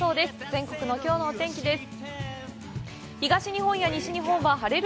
全国のきょうのお天気です。